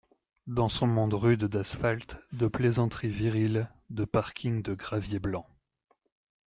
Dans son monde rude d’asphalte, de plaisanteries viriles, de parkings de graviers blancs.